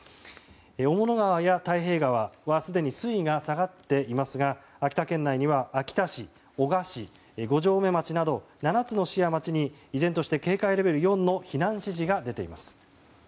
雄物川や太平川はすでに水位が下がっていますが秋田県内には秋田市、男鹿市五城目町など７つの市や町に依然として警戒レベル４の避難指示が出ています。